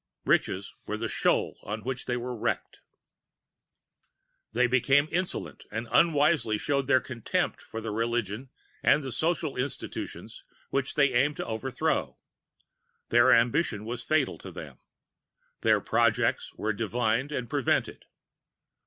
Riches were the shoal on which they were wrecked. They became insolent, and unwisely showed their contempt for the religious and social institutions which they aimed to overthrow. Their ambition was fatal to them. Their projects were divined and prevented.